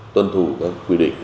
tuân thủ quy định